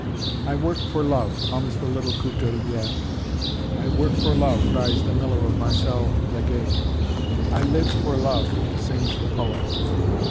"I work for love," hums the little couturière. "I work for love," cries the miller of Marcel Legay. "I live for love," sings the poet.